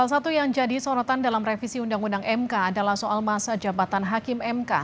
salah satu yang jadi sorotan dalam revisi undang undang mk adalah soal masa jabatan hakim mk